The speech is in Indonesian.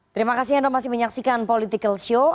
terima kasih anda masih menyaksikan political show